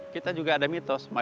kita juga ada miliknya